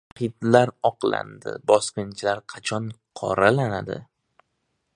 Shahidlar oqlandi, bosqinchilar qachon qoralanadi?..